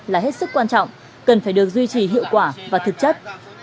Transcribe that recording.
là hết sức quan trọng cần phải được duy trì hiệu quả và thực chất